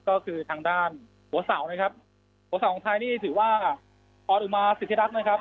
ก็คือทางด้านหัวเสานะครับหัวเสาของไทยนี่ถือว่าออนอุมาสิทธิรักษ์นะครับ